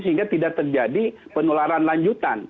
sehingga tidak terjadi penularan lanjutan